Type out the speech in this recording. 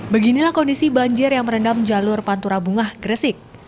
beginilah kondisi banjir yang merendam jalur pantura bunga gresik